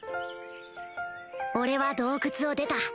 俺は洞窟を出た